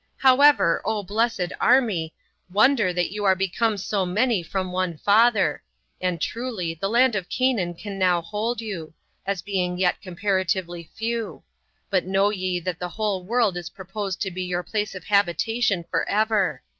However, O blessed army! wonder that you are become so many from one father: and truly, the land of Canaan can now hold you, as being yet comparatively few; but know ye that the whole world is proposed to be your place of habitation for ever.